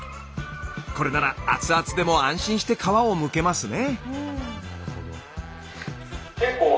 これなら熱々でも安心して皮をむけますね。